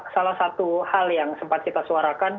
salah satu hal yang sempat kita suarakan